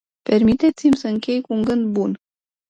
Permiteți-mi să închei cu un gând.